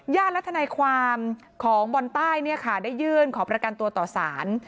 ย่านรัฐนายความของบ่นใต้ได้ยื่นขอประกันตัวต่อสาร